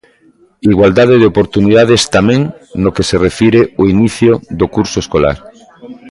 Igualdade de oportunidades tamén no que se refire ao inicio do curso escolar.